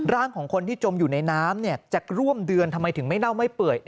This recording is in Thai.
ร่างของคนที่จมอยู่ในน้ำจากร่วมเดือนทำไมถึงไม่เน่าไม่เปื่อย